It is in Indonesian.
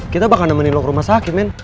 kita bakal nemenin lo ke rumah sakit men